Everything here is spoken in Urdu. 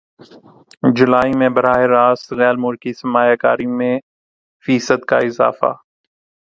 جولائی میں براہ راست غیرملکی سرمایہ کاری میں فیصد کا اضافہ